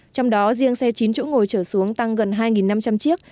trong đó riêng xe chín chỗ ngồi trở xuống tăng gần hai năm trăm linh chiếc